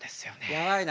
やばいな。